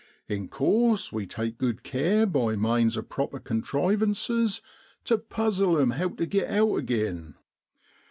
In course we take good care by manes of proper contrivances to puzzle 'em how tu git out agin.